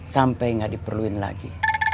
sampai gak diperluin lagi